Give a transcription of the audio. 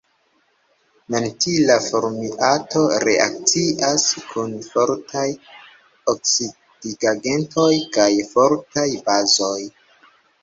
Mentila formiato reakcias kun fortaj oksidigagentoj kaj fortaj bazoj.